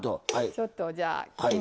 ちょっとじゃあ均等に。